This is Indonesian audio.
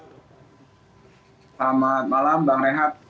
selamat malam bang rehat